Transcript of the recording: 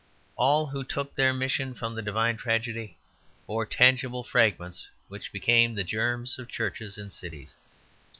All who took their mission from the divine tragedy bore tangible fragments which became the germs of churches and cities.